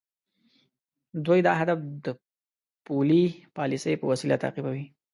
دوی دا هدف د پولي پالیسۍ په وسیله تعقیبوي.